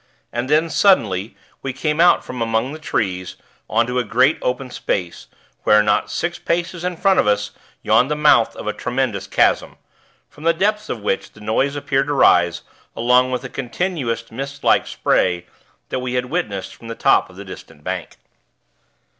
And then, suddenly, we came out from among the trees, on to a great open space, where, not six paces in front of us, yawned the mouth of a tremendous chasm, from the depths of which the noise appeared to rise, along with the continuous, mistlike spray that we had witnessed from the top of the distant bank.